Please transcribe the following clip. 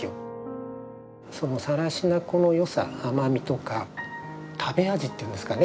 更科粉の良さ甘みとか食べ味っていうんですかね